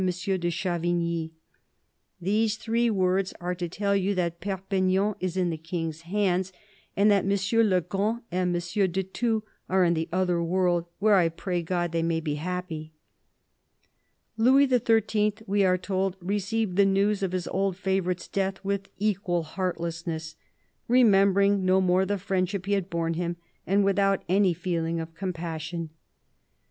de Chavigny :" These three words are to tell you that Perpignan is in the King's hands and that M. le Grand and M. de Thou are in the other world, where I pray God they may be happy." Louis XIII., we are told, received the news of his old favourite's death with equal heartlessness —" remembering no more the friendship he had borne him and without any feeling of compassion."